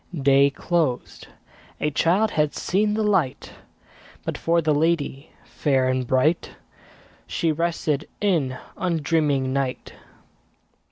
Day closed; a child had seen the light; But, for the lady fair and bright, She rested in undreaming night.